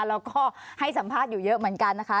แล้วก็ให้สัมภาษณ์อยู่เยอะเหมือนกันนะคะ